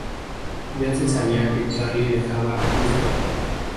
Ya se sabía que Charlie dejaba Busted.